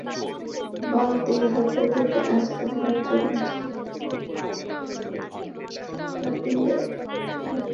বাতিলের হাত থেকে আজ আল্লাহর জমিন ছিনিয়ে আনতে হবে।